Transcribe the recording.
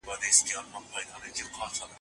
څېړونکی د علمي کارونو په ترسره کولو کي ډېر چټک دی.